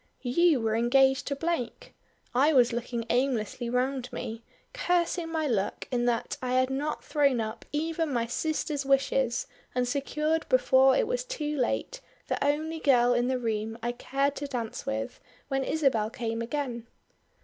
You were engaged to Blake. I was looking aimlessly round me, cursing my luck in that I had not thrown up even my sister's wishes and secured before it was too late the only girl in the room I cared to dance with when Isabel came again.